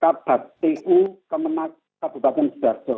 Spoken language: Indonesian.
kira kira sepuluh hari yang lalu saya komunikasi dengan kabupaten sebarjo